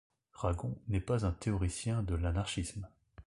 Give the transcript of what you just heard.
Ragon n'est pas un théoricien de l'anarchisme.